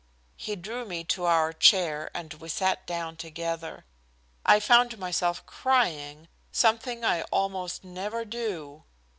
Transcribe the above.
He drew me to our chair and we sat down together. I found myself crying, something I almost never do.